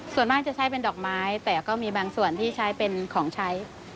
ส่วนมากจะใช้เป็นดอกไม้แต่ก็มีบางส่วนที่ใช้เป็นของใช้